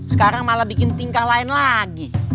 sekarang malah bikin tingkah lain lagi